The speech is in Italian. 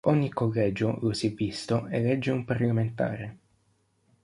Ogni collegio, lo si è visto, elegge un parlamentare.